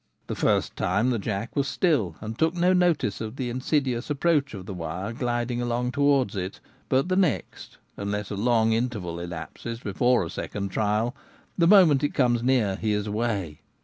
The first time the jack was still and took no notice of the insidious approach of the wire gliding along towards it ; but the next — unless a long interval elapses before a second trial — the moment it comes near he is away.